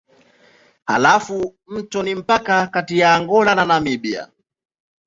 Halafu mto ni mpaka kati ya Angola na Namibia.